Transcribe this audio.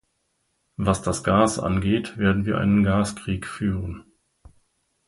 Was das Gas angeht, werden wir einen Gaskrieg führen.